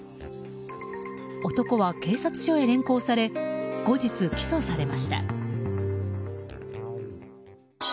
男は警察署へ連行され後日起訴されました。